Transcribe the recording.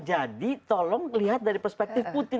tolong lihat dari perspektif putin